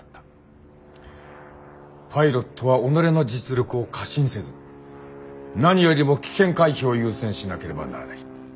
パイロットは己の実力を過信せず何よりも危険回避を優先しなければならない。